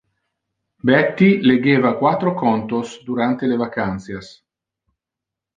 Betty legeva quatro contos durante le vacantias.